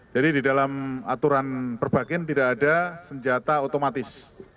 jadi di dalam aturan perbagin tidak ada senjata otomatis